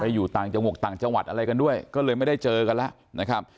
อยู่ต่างจังหวัดต่างจังหวัดอะไรกันด้วยก็เลยไม่ได้เจอกันแล้วนะครับ